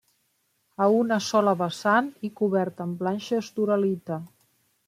A una sola vessant i cobert en planxes d'uralita.